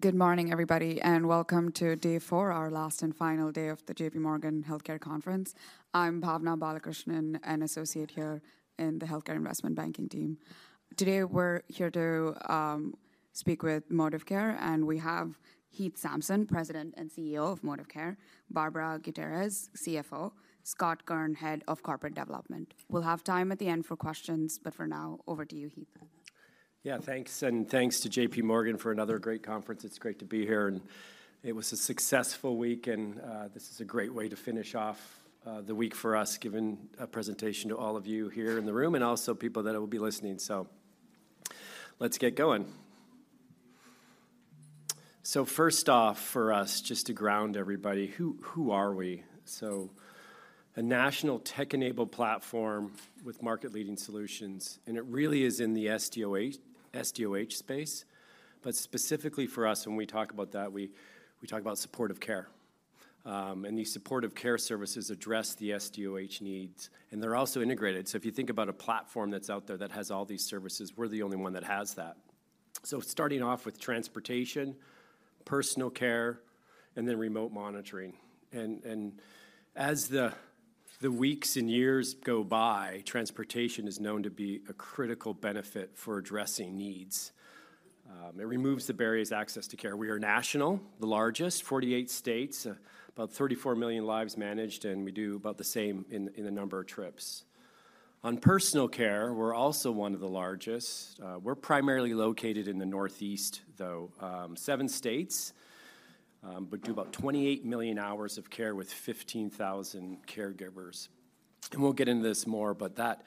Good morning, everybody, and welcome to day four, our last and final day of the J.P. Morgan Healthcare Conference. I'm Bhavna Balakrishnan, an associate here in the Healthcare Investment Banking team. Today, we're here to speak with ModivCare, and we have Heath Sampson, President and CEO of ModivCare, Barbara Gutierrez, CFO, Scott Kern, Head of Corporate Development. We'll have time at the end for questions, but for now, over to you, Heath. Yeah, thanks, and thanks to JPMorgan for another great conference. It's great to be here, and it was a successful week, and this is a great way to finish off the week for us, giving a presentation to all of you here in the room, and also people that will be listening. So let's get going. So first off, for us, just to ground everybody, who, who are we? So a national tech-enabled platform with market-leading solutions, and it really is in the SDOH, SDOH space. But specifically for us, when we talk about that, we, we talk about supportive care. And these supportive care services address the SDOH needs, and they're also integrated. So if you think about a platform that's out there that has all these services, we're the only one that has that. Starting off with transportation, personal care, and then remote monitoring. As the weeks and years go by, transportation is known to be a critical benefit for addressing needs. It removes the barriers access to care. We are national, the largest, 48 states, about 34 million lives managed, and we do about the same in the number of trips. On personal care, we're also one of the largest. We're primarily located in the Northeast, though, seven states, but do about 28 million hours of care with 15,000 caregivers. We'll get into this more, but that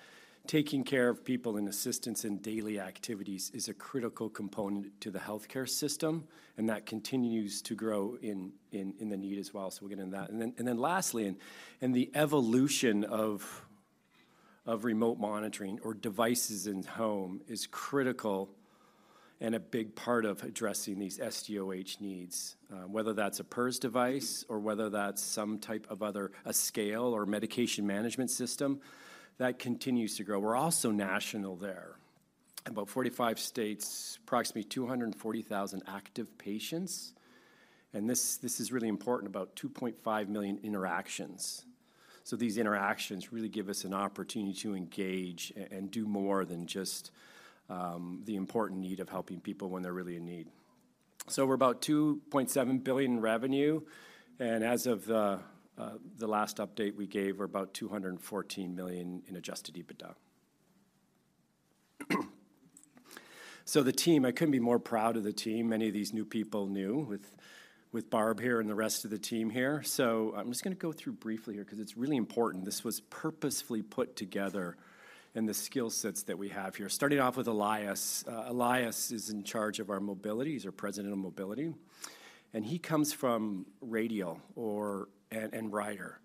taking care of people and assistance in daily activities is a critical component to the healthcare system, and that continues to grow in the need as well. We'll get into that. Then lastly, the evolution of remote monitoring or devices in home is critical and a big part of addressing these SDOH needs. Whether that's a PERS device or whether that's some type of other a scale or medication management system, that continues to grow. We're also national there. About 45 states, approximately 240,000 active patients, and this is really important, about 2.5 million interactions. So these interactions really give us an opportunity to engage and do more than just the important need of helping people when they're really in need. So we're about $2.7 billion in revenue, and as of the last update we gave, we're about $214 million in Adjusted EBITDA. So the team, I couldn't be more proud of the team, many of these new people, new, with Barb here and the rest of the team here. So I'm just gonna go through briefly here 'cause it's really important. This was purposefully put together in the skill sets that we have here. Starting off with Elias. Elias is in charge of our mobility. He's our President of Mobility, and he comes from Radial and Ryder.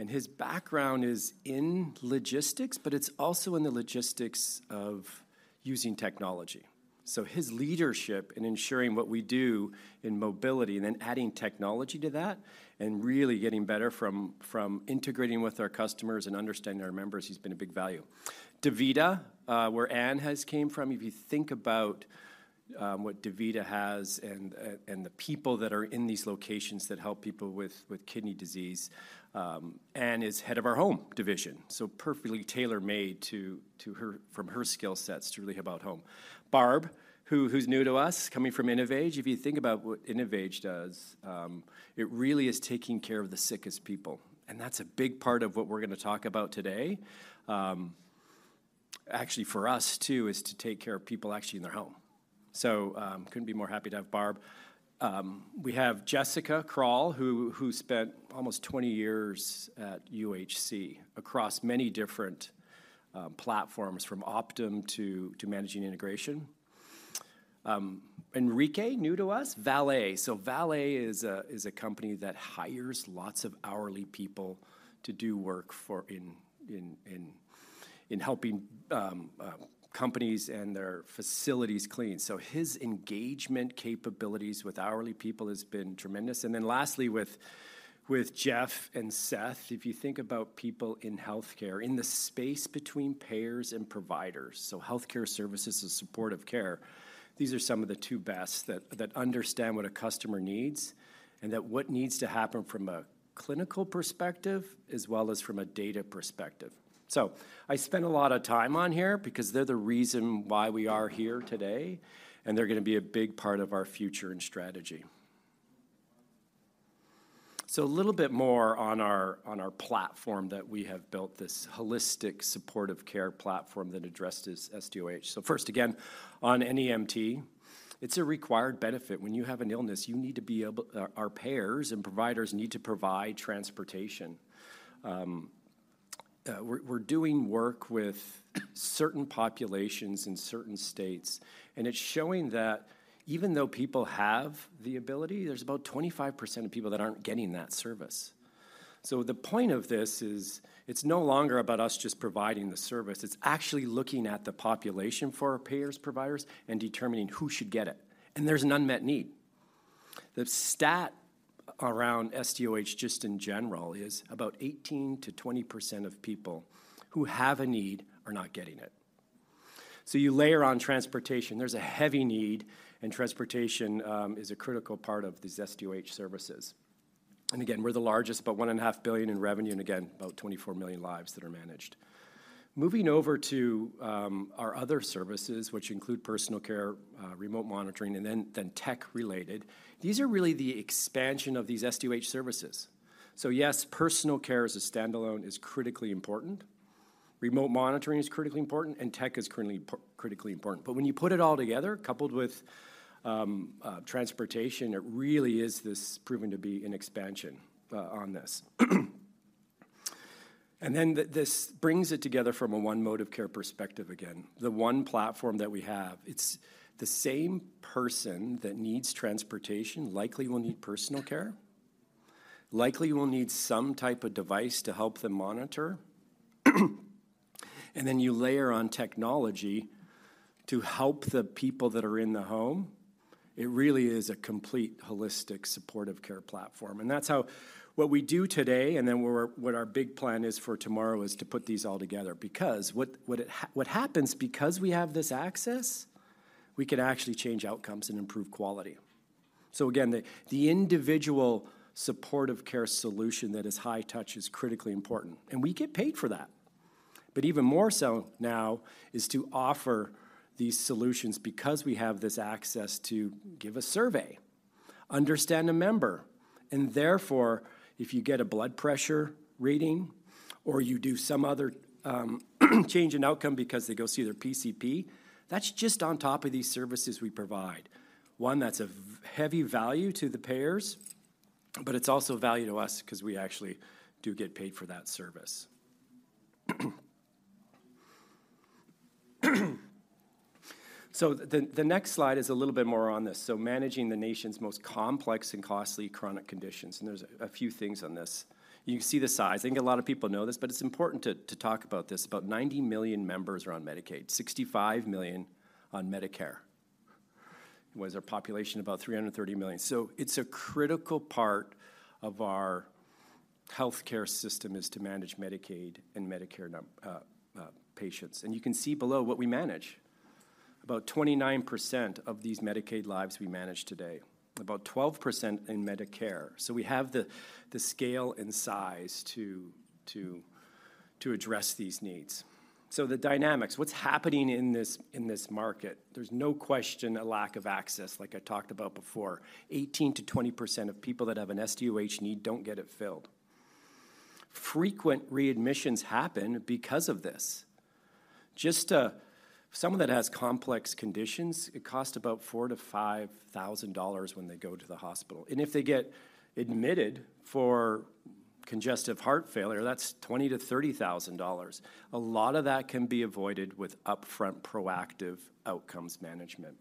And his background is in logistics, but it's also in the logistics of using technology. So his leadership in ensuring what we do in mobility and then adding technology to that and really getting better from integrating with our customers and understanding our members, he's been a big value. DaVita, where Anne has came from, if you think about what DaVita has and the people that are in these locations that help people with kidney disease, Anne is head of our home division, so perfectly tailor-made to her—from her skill sets to really about home. Barb, who's new to us, coming from InnovAge, if you think about what InnovAge does, it really is taking care of the sickest people, and that's a big part of what we're gonna talk about today. Actually, for us, too, is to take care of people actually in their home. So, couldn't be more happy to have Barb. We have Jessica Kral, who spent almost 20 years at UHC across many different platforms, from Optum to managing integration. Enrique, new to us, Valet. So Valet is a company that hires lots of hourly people to do work for in helping companies and their facilities clean. So his engagement capabilities with hourly people has been tremendous. And then lastly, with Jeff and Seth, if you think about people in healthcare, in the space between payers and providers, so healthcare services and supportive care, these are some of the two best that understand what a customer needs and that what needs to happen from a clinical perspective as well as from a data perspective. So I spent a lot of time on here because they're the reason why we are here today, and they're gonna be a big part of our future and strategy. So a little bit more on our platform that we have built, this holistic supportive care platform that addresses SDOH. So first, again, on NEMT, it's a required benefit. When you have an illness, you need to be able, our payers and providers need to provide transportation. We're doing work with certain populations in certain states, and it's showing that even though people have the ability, there's about 25% of people that aren't getting that service. So the point of this is, it's no longer about us just providing the service. It's actually looking at the population for our payers, providers, and determining who should get it, and there's an unmet need. The stat around SDOH, just in general, is about 18%-20% of people who have a need are not getting it. So you layer on transportation, there's a heavy need, and transportation is a critical part of these SDOH services. And again, we're the largest, about $1.5 billion in revenue, and again, about 24 million lives that are managed. Moving over to our other services, which include personal care, remote monitoring, and then tech-related, these are really the expansion of these SDOH services. So yes, personal care as a standalone is critically important, remote monitoring is critically important, and tech is critically important. But when you put it all together, coupled with transportation, it really is this proven to be an expansion on this. And then this brings it together from a one mode of care perspective again, the one platform that we have. It's the same person that needs transportation, likely will need personal care, likely will need some type of device to help them monitor. And then you layer on technology to help the people that are in the home. It really is a complete, holistic, supportive care platform. And that's how what we do today, and then where what our big plan is for tomorrow, is to put these all together. Because what happens because we have this access, we can actually change outcomes and improve quality. So again, the individual supportive care solution that is high touch is critically important, and we get paid for that. But even more so now is to offer these solutions because we have this access to give a survey, understand a member, and therefore, if you get a blood pressure reading or you do some other change in outcome because they go see their PCP, that's just on top of these services we provide. One, that's of heavy value to the payers, but it's also of value to us 'cause we actually do get paid for that service. So the next slide is a little bit more on this, so managing the nation's most complex and costly chronic conditions, and there's a few things on this. You can see the size. I think a lot of people know this, but it's important to talk about this. About 90 million members are on Medicaid, 65 million on Medicare. What is our population? About 330 million. So it's a critical part of our healthcare system is to manage Medicaid and Medicare patients. And you can see below what we manage. About 29% of these Medicaid lives we manage today, about 12% in Medicare. So we have the scale and size to address these needs. So the dynamics, what's happening in this market? There's no question a lack of access, like I talked about before. 18%-20% of people that have an SDOH need don't get it filled. Frequent readmissions happen because of this. Just someone that has complex conditions, it costs about $4,000-$5,000 when they go to the hospital, and if they get admitted for congestive heart failure, that's $20,000-$30,000. A lot of that can be avoided with upfront, proactive outcomes management.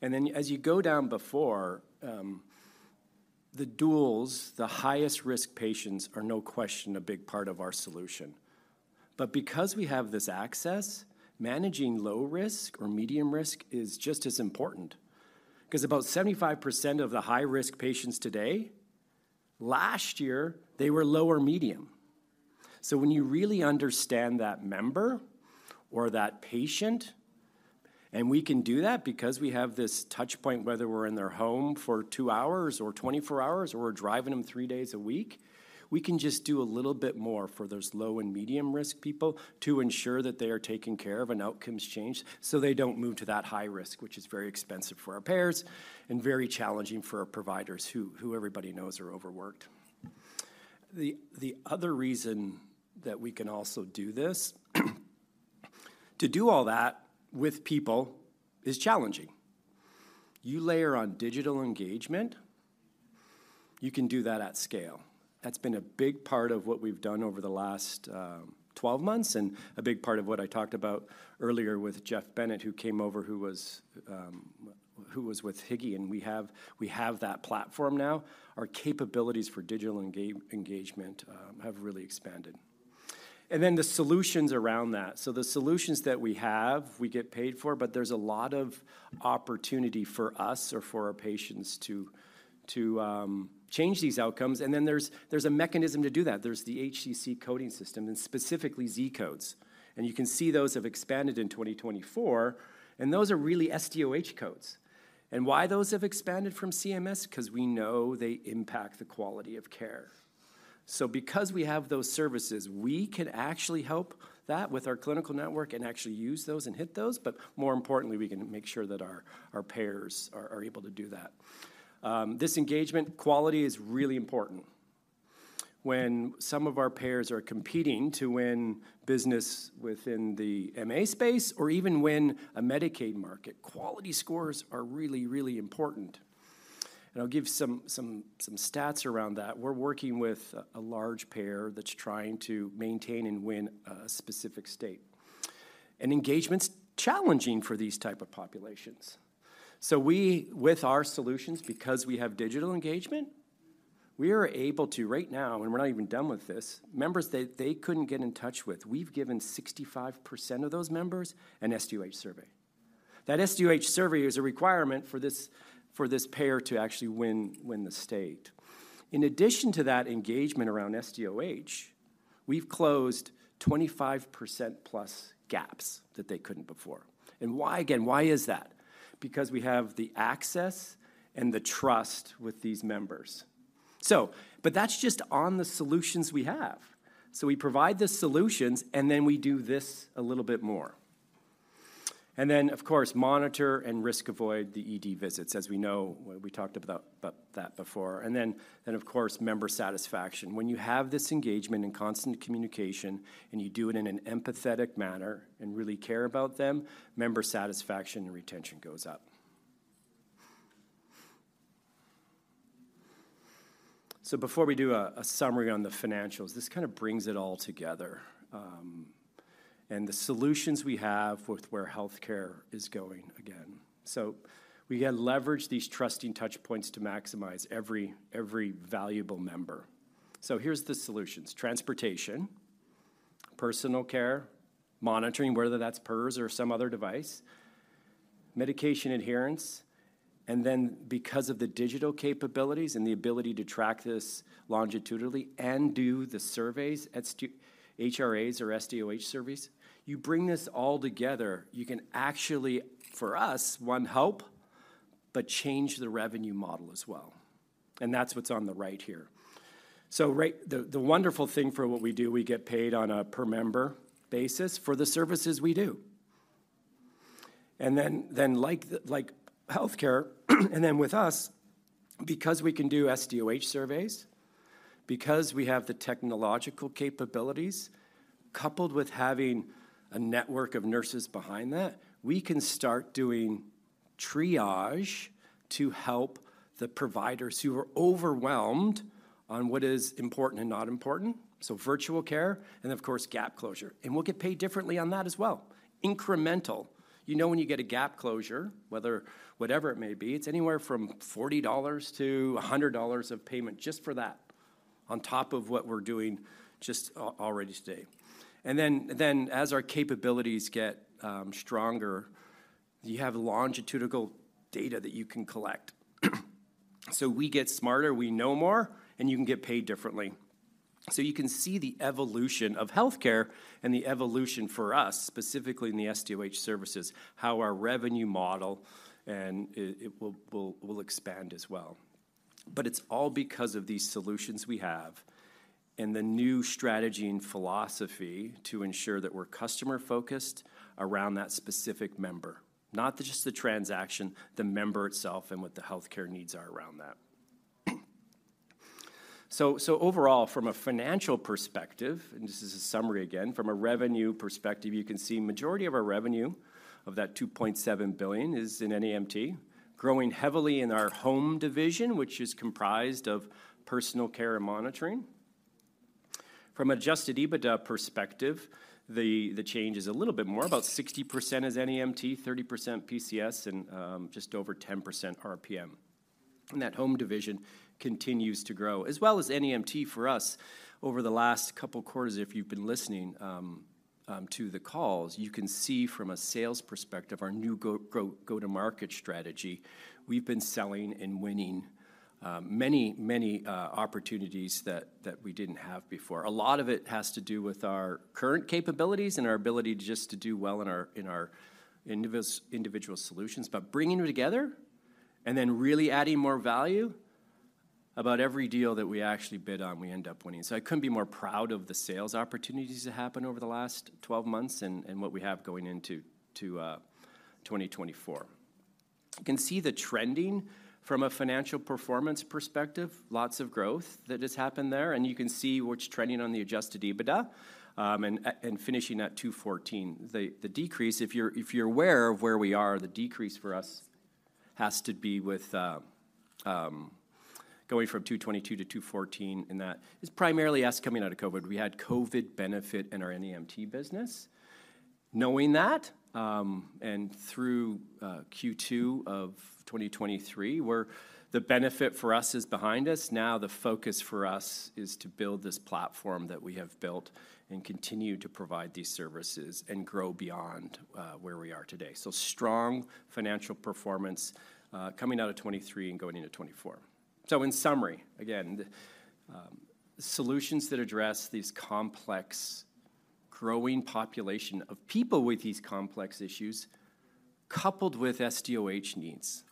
And then as you go down before, the duals, the highest-risk patients are no question a big part of our solution. But because we have this access, managing low risk or medium risk is just as important. 'Cause about 75% of the high-risk patients today, last year, they were low or medium. So when you really understand that member or that patient, and we can do that because we have this touch point, whether we're in their home for two hours or 24 hours, or we're driving them three days a week, we can just do a little bit more for those low and medium-risk people to ensure that they are taken care of and outcomes change, so they don't move to that high risk, which is very expensive for our payers and very challenging for our providers, who everybody knows are overworked. The other reason that we can also do this, to do all that with people is challenging. You layer on digital engagement, you can do that at scale. That's been a big part of what we've done over the last 12 months, and a big part of what I talked about earlier with Jeff Bennett, who came over, who was with Higi, and we have, we have that platform now. Our capabilities for digital engagement have really expanded. And then the solutions around that. So the solutions that we have, we get paid for, but there's a lot of opportunity for us or for our patients to change these outcomes. And then there's a mechanism to do that. There's the HCC coding system and specifically Z codes, and you can see those have expanded in 2024, and those are really SDOH codes. And why those have expanded from CMS? 'Cause we know they impact the quality of care. So because we have those services, we can actually help that with our clinical network and actually use those and hit those, but more importantly, we can make sure that our payers are able to do that. This engagement, quality is really important. When some of our payers are competing to win business within the MA space or even win a Medicaid market, quality scores are really, really important. And I'll give some stats around that. We're working with a large payer that's trying to maintain and win a specific state. And engagement's challenging for these type of populations. So we, with our solutions, because we have digital engagement, we are able to right now, and we're not even done with this, members that they couldn't get in touch with, we've given 65% of those members an SDOH survey. That SDOH survey is a requirement for this, for this payer to actually win, win the state. In addition to that engagement around SDOH, we've closed 25%+ gaps that they couldn't before. And why, again, why is that? Because we have the access and the trust with these members. So, but that's just on the solutions we have. So we provide the solutions, and then we do this a little bit more. And then, of course, monitor and risk avoid the ED visits, as we know, we talked about, about that before. And then, then of course, member satisfaction. When you have this engagement and constant communication, and you do it in an empathetic manner and really care about them, member satisfaction and retention goes up. So before we do a summary on the financials, this kind of brings it all together, and the solutions we have with where healthcare is going again. So we gotta leverage these trusting touchpoints to maximize every valuable member. So here's the solutions: transportation, personal care, monitoring, whether that's PERS or some other device, medication adherence, and then because of the digital capabilities and the ability to track this longitudinally and do the surveys, HRAs or SDOH surveys, you bring this all together, you can actually, for us, one, help, but change the revenue model as well, and that's what's on the right here. So the wonderful thing for what we do, we get paid on a per-member basis for the services we do. And then, like healthcare, and then with us, because we can do SDOH surveys, because we have the technological capabilities, coupled with having a network of nurses behind that, we can start doing triage to help the providers who are overwhelmed on what is important and not important, so virtual care, and of course, Gap Closure. And we'll get paid differently on that as well. Incremental. You know, when you get a Gap Closure, whether, whatever it may be, it's anywhere from $40-$100 of payment just for that, on top of what we're doing just already today. And then, as our capabilities get stronger, you have longitudinal data that you can collect. So we get smarter, we know more, and you can get paid differently. So you can see the evolution of healthcare and the evolution for us, specifically in the SDOH services, how our revenue model and it will expand as well. But it's all because of these solutions we have and the new strategy and philosophy to ensure that we're customer-focused around that specific member, not just the transaction, the member itself and what the healthcare needs are around that. So overall, from a financial perspective, and this is a summary again, from a revenue perspective, you can see majority of our revenue, of that $2.7 billion, is in NEMT, growing heavily in our home division, which is comprised of personal care and monitoring. From Adjusted EBITDA perspective, the change is a little bit more, about 60% is NEMT, 30% PCS, and just over 10% RPM. That home division continues to grow, as well as NEMT for us. Over the last couple quarters, if you've been listening to the calls, you can see from a sales perspective, our new go-to-market strategy, we've been selling and winning many, many opportunities that we didn't have before. A lot of it has to do with our current capabilities and our ability just to do well in our individual solutions. But bringing them together and then really adding more value, about every deal that we actually bid on, we end up winning. So I couldn't be more proud of the sales opportunities that happened over the last 12 months and what we have going into 2024. You can see the trending from a financial performance perspective, lots of growth that has happened there, and you can see what's trending on the Adjusted EBITDA, and finishing at $214. The decrease, if you're aware of where we are, the decrease for us has to be with going from $222 to $214, and that is primarily us coming out of COVID. We had COVID benefit in our NEMT business. Knowing that, and through Q2 of 2023, where the benefit for us is behind us, now the focus for us is to build this platform that we have built and continue to provide these services and grow beyond where we are today. So strong financial performance coming out of 2023 and going into 2024. So in summary, again, the solutions that address these complex, growing population of people with these complex issues, coupled with SDOH needs.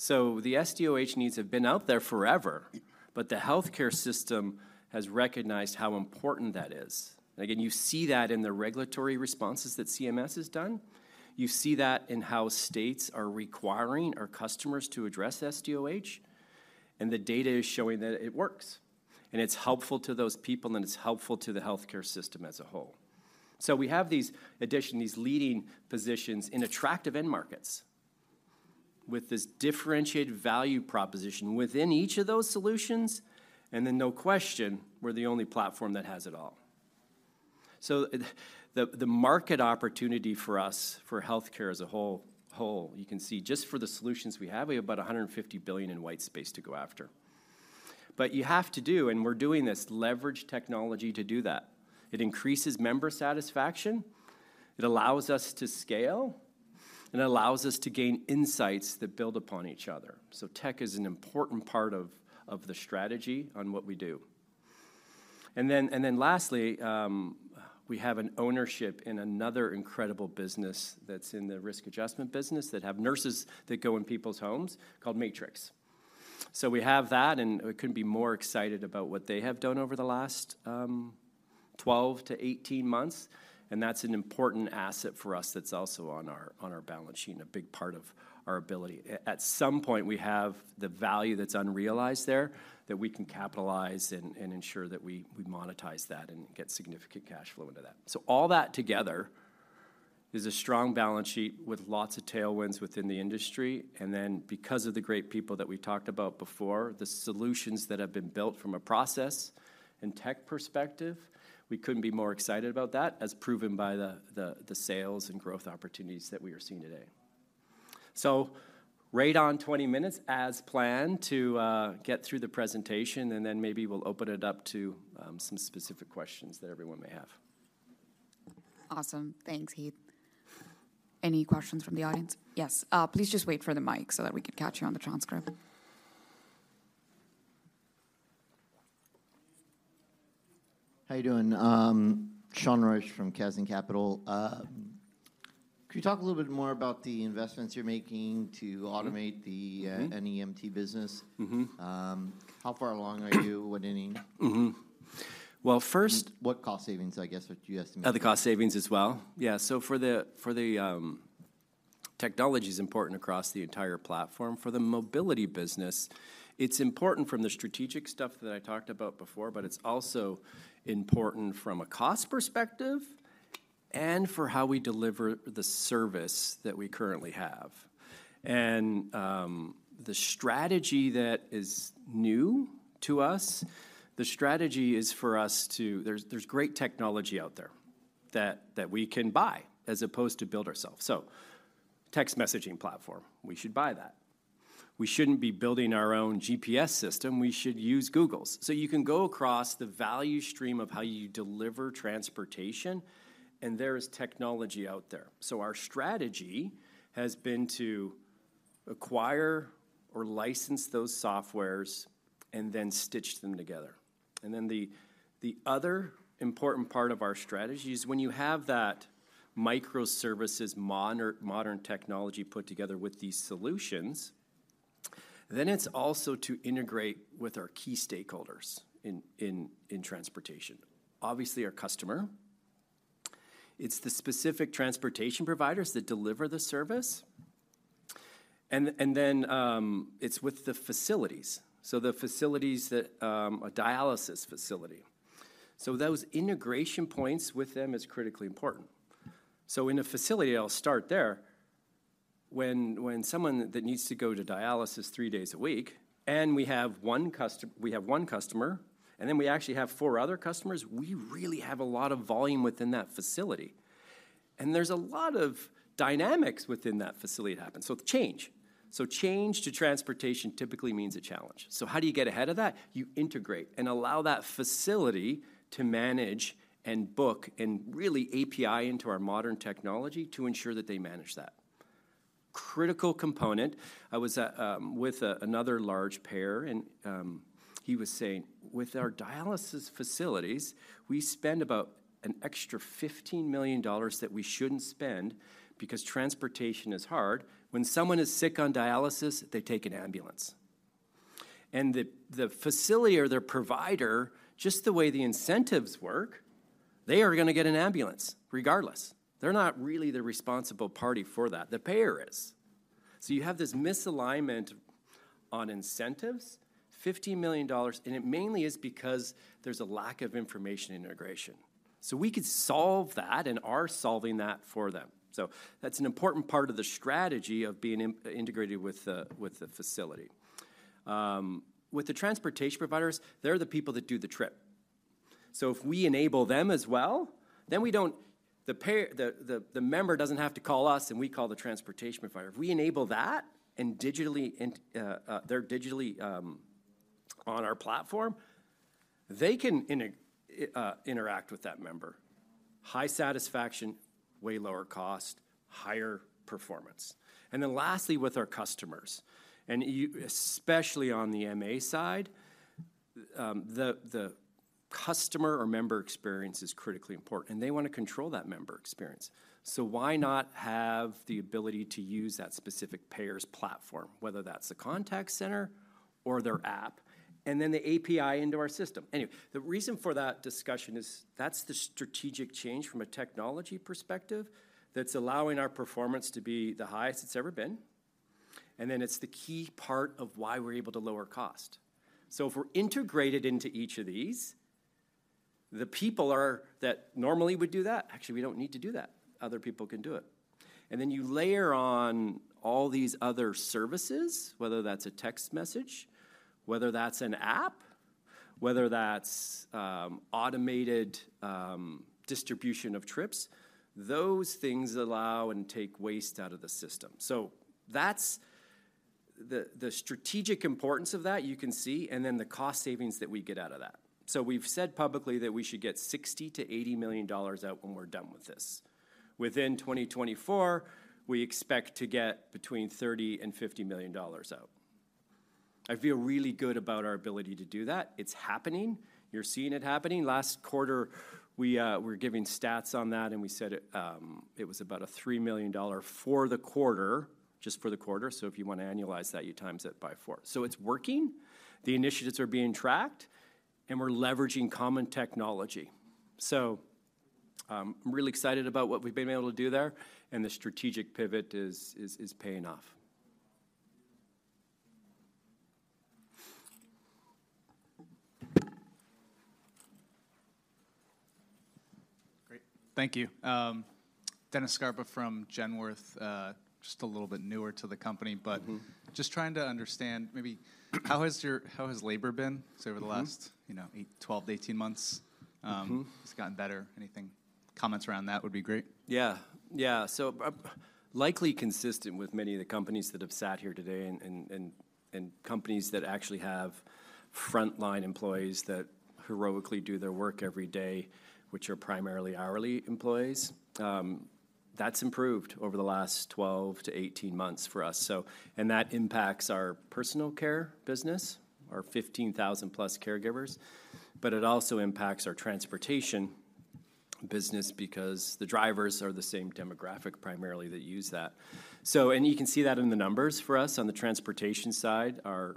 So the SDOH needs have been out there forever, but the healthcare system has recognized how important that is. Again, you see that in the regulatory responses that CMS has done. You see that in how states are requiring our customers to address SDOH, and the data is showing that it works, and it's helpful to those people, and it's helpful to the healthcare system as a whole. So we have these additions, these leading positions in attractive end markets with this differentiated value proposition within each of those solutions, and then no question, we're the only platform that has it all. So the market opportunity for us, for healthcare as a whole, you can see just for the solutions we have, we have about $150 billion in white space to go after. But you have to, and we're doing this, leverage technology to do that. It increases member satisfaction, it allows us to scale, and it allows us to gain insights that build upon each other. So tech is an important part of the strategy on what we do. And then lastly, we have an ownership in another incredible business that's in the risk adjustment business, that have nurses that go in people's homes, called Matrix. So we have that, and we couldn't be more excited about what they have done over the last 12-18 months, and that's an important asset for us that's also on our balance sheet, and a big part of our ability. At some point, we have the value that's unrealized there, that we can capitalize and ensure that we monetize that and get significant cash flow into that. So all that together is a strong balance sheet with lots of tailwinds within the industry, and then because of the great people that we talked about before, the solutions that have been built from a process and tech perspective, we couldn't be more excited about that, as proven by the sales and growth opportunities that we are seeing today. So right on 20 minutes, as planned, to get through the presentation, and then maybe we'll open it up to some specific questions that everyone may have. Awesome. Thanks, Heath. Any questions from the audience? Yes, please just wait for the mic so that we can catch you on the transcript. How you doing? Sean Roche from Kayne Anderson Capital. Could you talk a little bit more about the investments you're making to automate- Mm-hmm... the, NEMT business? Mm-hmm. How far along are you? What inning? Mm-hmm. Well, first- What cost savings, I guess, would you estimate? The cost savings as well. Yeah, so for the technology's important across the entire platform. For the mobility business, it's important from the strategic stuff that I talked about before, but it's also important from a cost perspective and for how we deliver the service that we currently have. And the strategy that is new to us, the strategy is for us to—there's great technology out there that we can buy, as opposed to build ourselves. So text messaging platform, we should buy that. We shouldn't be building our own GPS system, we should use Google's. So you can go across the value stream of how you deliver transportation, and there is technology out there. So our strategy has been to acquire or license those software and then stitch them together. And then the other important part of our strategy is when you have that microservices, modern technology put together with these solutions, then it's also to integrate with our key stakeholders in transportation. Obviously, our customer, it's the specific transportation providers that deliver the service, and then it's with the facilities. So the facilities that a dialysis facility. So those integration points with them is critically important. So in a facility, I'll start there. When someone that needs to go to dialysis three days a week, and we have one customer, and then we actually have four other customers, we really have a lot of volume within that facility. And there's a lot of dynamics within that facility happen. So change. So change to transportation typically means a challenge. So how do you get ahead of that? You integrate and allow that facility to manage and book, and really API into our modern technology to ensure that they manage that. Critical component, I was with another large payer, and he was saying, "With our dialysis facilities, we spend about an extra $15 million that we shouldn't spend because transportation is hard." When someone is sick on dialysis, they take an ambulance. And the facility or their provider, just the way the incentives work, they are gonna get an ambulance, regardless. They're not really the responsible party for that, the payer is. So you have this misalignment on incentives, $15 million, and it mainly is because there's a lack of information integration. So we could solve that and are solving that for them. So that's an important part of the strategy of being integrated with the facility. With the transportation providers, they're the people that do the trip. So if we enable them as well, then we don't—the member doesn't have to call us, and we call the transportation provider. If we enable that, and they're digitally on our platform, they can interact with that member. High satisfaction, way lower cost, higher performance. And then lastly, with our customers, and especially on the MA side, the customer or member experience is critically important, and they wanna control that member experience. So why not have the ability to use that specific payer's platform, whether that's the contact center or their app, and then the API into our system? Anyway, the reason for that discussion is, that's the strategic change from a technology perspective, that's allowing our performance to be the highest it's ever been, and then it's the key part of why we're able to lower cost. So if we're integrated into each of these, the people that normally would do that, actually, we don't need to do that. Other people can do it. And then you layer on all these other services, whether that's a text message, whether that's an app, whether that's automated distribution of trips, those things allow and take waste out of the system. So that's the strategic importance of that, you can see, and then the cost savings that we get out of that. So we've said publicly that we should get $60 million-$80 million out when we're done with this. Within 2024, we expect to get between $30 million and $50 million out. I feel really good about our ability to do that. It's happening. You're seeing it happening. Last quarter, we were giving stats on that, and we said it was about $3 million for the quarter, just for the quarter, so if you wanna annualize that, you times it by four. So it's working, the initiatives are being tracked, and we're leveraging common technology. So, I'm really excited about what we've been able to do there, and the strategic pivot is paying off. Great, thank you. Dennis Scarpa from Genworth. Just a little bit newer to the company- Mm-hmm. But just trying to understand, maybe how has labor been, say, over the last- Mm-hmm... you know, eight, 12-18 months? Mm-hmm. It's gotten better. Anything, comments around that would be great. Yeah. Yeah, so, likely consistent with many of the companies that have sat here today and companies that actually have frontline employees that heroically do their work every day, which are primarily hourly employees, that's improved over the last 12-18 months for us. So, and that impacts our personal care business, our 15,000+ caregivers, but it also impacts our transportation business because the drivers are the same demographic, primarily, that use that. So. And you can see that in the numbers for us on the transportation side, our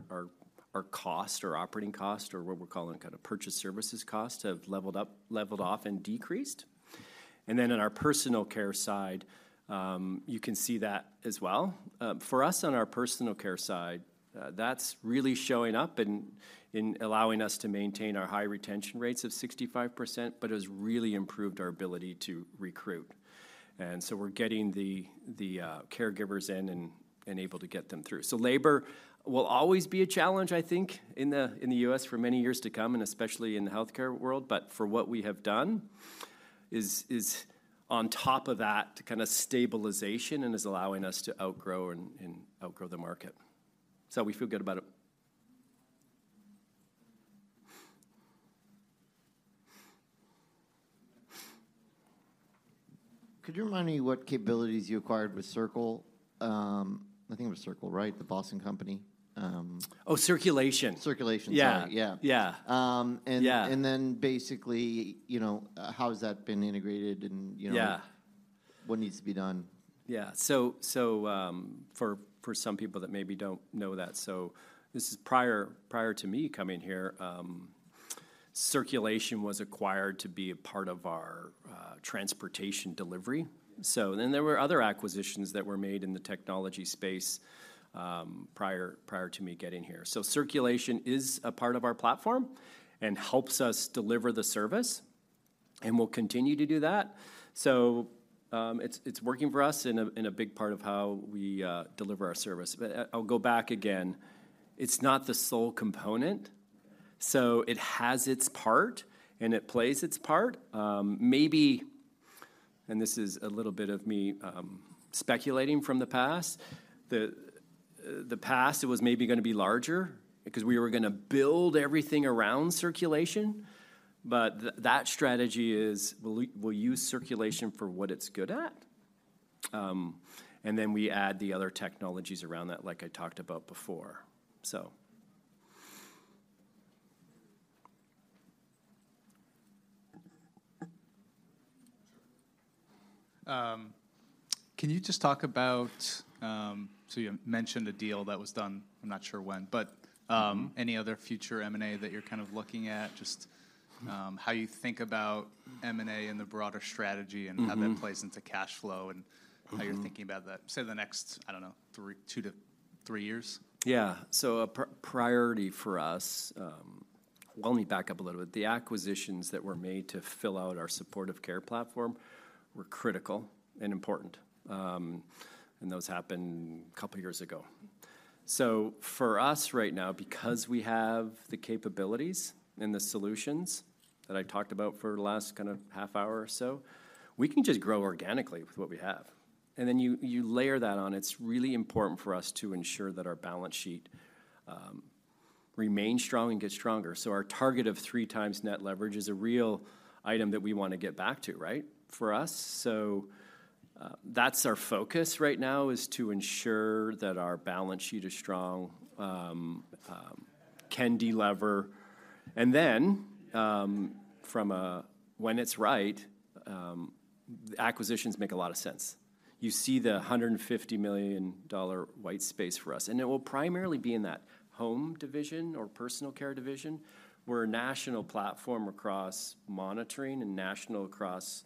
cost, our operating cost, or what we're calling kind of purchase services cost, have leveled off and decreased. And then in our personal care side, you can see that as well. For us, on our personal care side, that's really showing up in allowing us to maintain our high retention rates of 65%, but it has really improved our ability to recruit. So we're getting the caregivers in and able to get them through. Labor will always be a challenge, I think, in the U.S. for many years to come, and especially in the healthcare world, but what we have done is on top of that kind of stabilization and is allowing us to outgrow the market. So we feel good about it. Could you remind me what capabilities you acquired with Circle? I think it was Circle, right? The Boston company. Oh, Circulation. Circulation. Yeah. Sorry, yeah. Yeah. Um, and- Yeah... and then basically, you know, how has that been integrated and, you know- Yeah... what needs to be done? Yeah. So, for some people that maybe don't know that, this is prior to me coming here. Circulation was acquired to be a part of our transportation delivery. So then there were other acquisitions that were made in the technology space, prior to me getting here. So Circulation is a part of our platform and helps us deliver the service, and we'll continue to do that. So, it's working for us in a big part of how we deliver our service. But I'll go back again. It's not the sole component, so it has its part, and it plays its part. Maybe, and this is a little bit of me speculating from the past, the past, it was maybe gonna be larger because we were gonna build everything around Circulation, but that strategy is we'll use Circulation for what it's good at, and then we add the other technologies around that, like I talked about before. So... Can you just talk about so you mentioned a deal that was done? I'm not sure when, but, Mm-hmm... any other future M&A that you're kind of looking at? Just, how you think about M&A and the broader strategy- Mm-hmm... and how that plays into cash flow, and- Mm-hmm... how you're thinking about that, say, the next, I don't know, two to three years? Yeah. So a priority for us. Well, let me back up a little bit. The acquisitions that were made to fill out our supportive care platform were critical and important, and those happened couple years ago. So for us right now, because we have the capabilities and the solutions that I've talked about for the last kind of half hour or so, we can just grow organically with what we have. And then you layer that on, it's really important for us to ensure that our balance sheet remains strong and gets stronger. So our target of 3x net leverage is a real item that we wanna get back to, right? For us. So that's our focus right now, is to ensure that our balance sheet is strong, can de-lever. And then, from when it's right, acquisitions make a lot of sense. You see the $150 million white space for us, and it will primarily be in that home division or personal care division, where national platform across monitoring and national across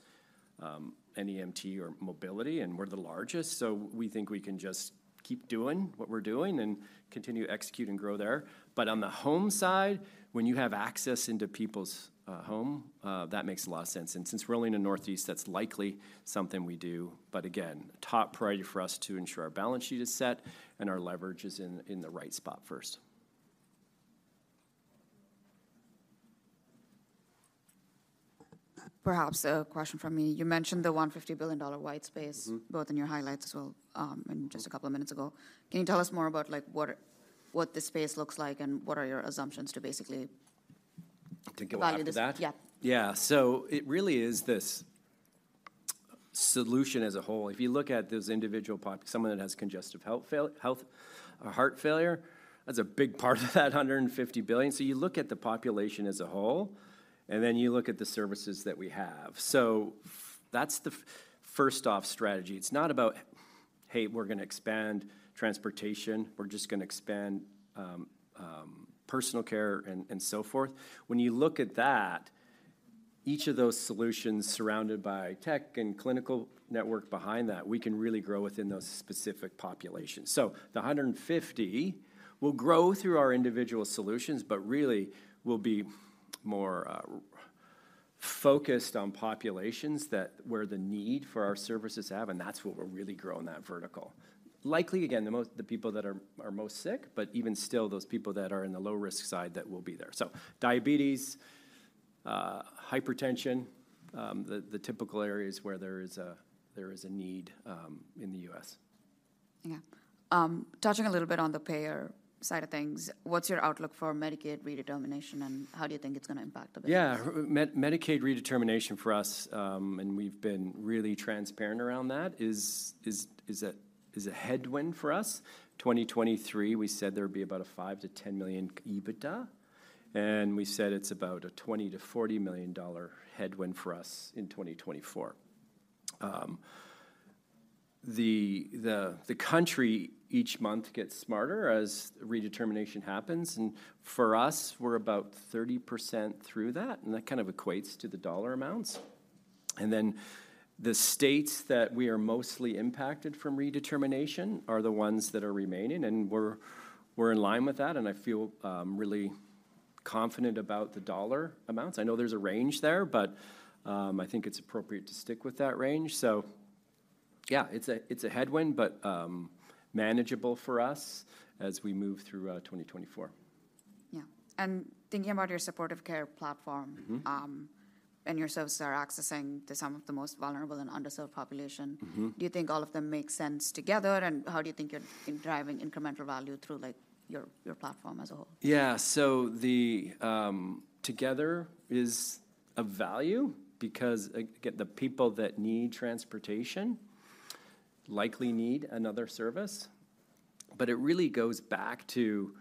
NEMT or mobility, and we're the largest, so we think we can just keep doing what we're doing and continue to execute and grow there. But on the home side, when you have access into people's home, that makes a lot of sense. And since we're only in the Northeast, that's likely something we do, but again, top priority for us to ensure our balance sheet is set and our leverage is in the right spot first. ... perhaps a question from me. You mentioned the $150 billion white space- Mm-hmm. both in your highlights as well, and just a couple of minutes ago. Can you tell us more about, like, what this space looks like, and what are your assumptions to basically- To go after that? Value this? Yeah. Yeah. So it really is this solution as a whole. If you look at those individual pop—someone that has congestive heart failure, that's a big part of that $150 billion. So you look at the population as a whole, and then you look at the services that we have. So that's the first off strategy. It's not about, "Hey, we're gonna expand transportation. We're just gonna expand personal care," and so forth. When you look at that, each of those solutions surrounded by tech and clinical network behind that, we can really grow within those specific populations. So the $150 billion will grow through our individual solutions, but really will be more focused on populations where the need for our services have, and that's where we're really growing that vertical. Likely, again, the people that are most sick, but even still those people that are in the low-risk side, that will be there. So diabetes, hypertension, the typical areas where there is a need in the U.S. Yeah. Touching a little bit on the payer side of things, what's your outlook for Medicaid Redetermination, and how do you think it's gonna impact the business? Yeah. Medicaid redetermination for us, and we've been really transparent around that, is a headwind for us. In 2023, we said there would be about a $5 million-$10 million EBITDA, and we said it's about a $20 million-$40 million headwind for us in 2024. The country each month gets smarter as redetermination happens, and for us, we're about 30% through that, and that kind of equates to the dollar amounts. And then, the states that we are mostly impacted from redetermination are the ones that are remaining, and we're in line with that, and I feel really confident about the dollar amounts. I know there's a range there, but I think it's appropriate to stick with that range. So yeah, it's a headwind, but manageable for us as we move through 2024. Yeah. Thinking about your supportive care platform- Mm-hmm. Your services are accessing to some of the most vulnerable and underserved population. Mm-hmm. Do you think all of them make sense together, and how do you think you're driving incremental value through, like, your, your platform as a whole? Yeah. So the together is of value because, again, the people that need transportation likely need another service, but it really goes back to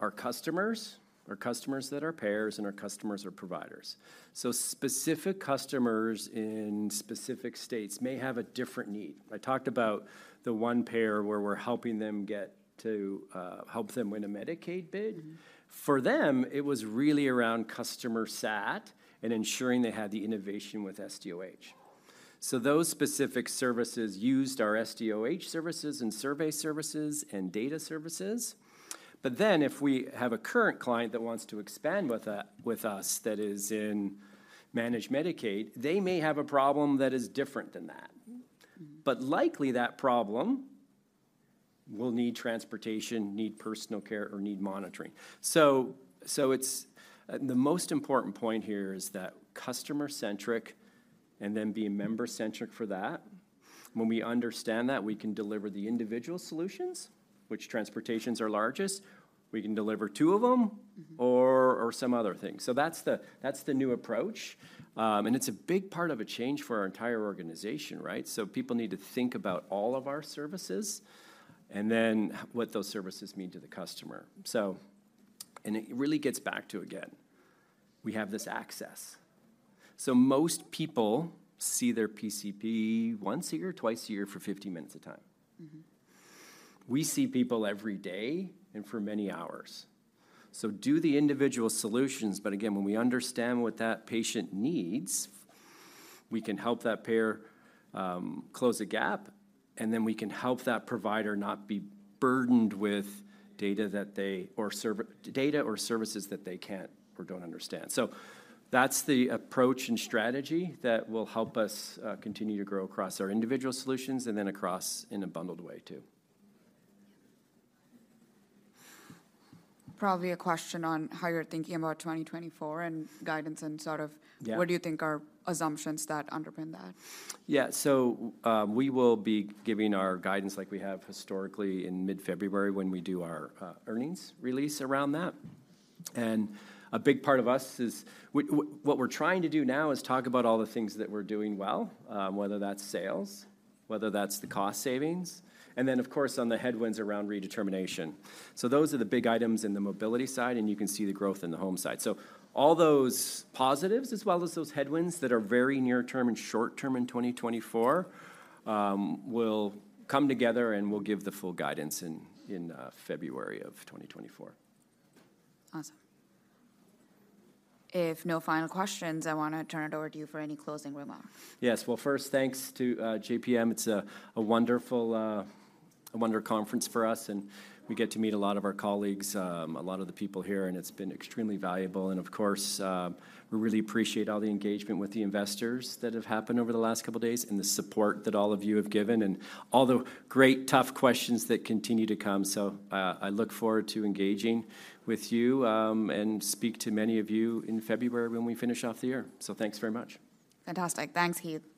our customers, our customers that are payers and our customers or providers. So specific customers in specific states may have a different need. I talked about the one payer where we're helping them get to help them win a Medicaid bid. Mm-hmm. For them, it was really around customer sat and ensuring they had the innovation with SDOH. So those specific services used our SDOH services, and survey services, and data services. But then, if we have a current client that wants to expand with, with us, that is in managed Medicaid, they may have a problem that is different than that. Mm-hmm. But likely, that problem will need transportation, need personal care, or need monitoring. So, so it's... The most important point here is that customer-centric and then being member-centric for that. When we understand that, we can deliver the individual solutions, which transportations are largest. We can deliver two of them- Mm-hmm... or some other thing. So that's the new approach, and it's a big part of a change for our entire organization, right? So people need to think about all of our services and then what those services mean to the customer. And it really gets back to, again, we have this access. So most people see their PCP once a year, twice a year for 50 minutes at a time. Mm-hmm. We see people every day and for many hours. So do the individual solutions, but again, when we understand what that patient needs, we can help that payer close the gap, and then we can help that provider not be burdened with data or services that they can't or don't understand. So that's the approach and strategy that will help us continue to grow across our individual solutions and then across in a bundled way, too. Probably a question on how you're thinking about 2024 and guidance and, sort of- Yeah... what do you think are assumptions that underpin that? Yeah. So, we will be giving our guidance like we have historically in mid-February when we do our earnings release around that. A big part of what we're trying to do now is talk about all the things that we're doing well, whether that's sales, whether that's the cost savings, and then, of course, on the headwinds around redetermination. So those are the big items in the mobility side, and you can see the growth in the home side. So all those positives, as well as those headwinds that are very near-term and short-term in 2024, will come together, and we'll give the full guidance in February of 2024. Awesome. If no final questions, I wanna turn it over to you for any closing remarks. Yes. Well, first, thanks to JPM. It's a wonderful conference for us, and we get to meet a lot of our colleagues, a lot of the people here, and it's been extremely valuable. And of course, we really appreciate all the engagement with the investors that have happened over the last couple of days and the support that all of you have given and all the great, tough questions that continue to come. So, I look forward to engaging with you, and speak to many of you in February when we finish off the year. So thanks very much. Fantastic. Thanks, Heath.